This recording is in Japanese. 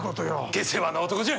下世話な男じゃ。